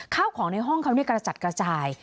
ข้าวของในห้องเขากระจัดกระจาย